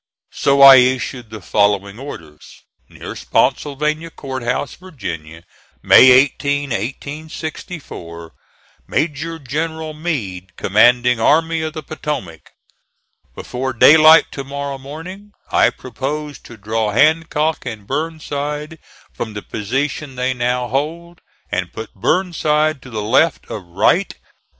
So I issued the following orders: NEAR SPOTTSYLVANIA C. H., VA., May 18, 1864. MAJOR GENERAL MEADE, Commanding Army of the Potomac. Before daylight to morrow morning I propose to draw Hancock and Burnside from the position they now hold, and put Burnside to the left of Wright.